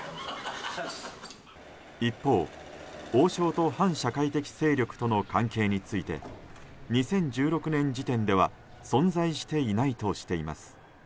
一方、王将と反社会的勢力との関係について２０１６年時点では存在していないとしています。